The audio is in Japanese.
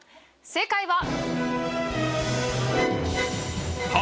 正解は！